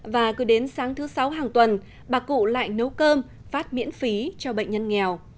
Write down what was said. và cứ đến sáng thứ sáu hàng tuần bà cụ lại nấu cơm phát miễn phí cho bệnh nhân nghèo